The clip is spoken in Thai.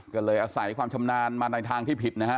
ก็เลยอาศัยความชำนาญมาในทางที่ผิดนะฮะ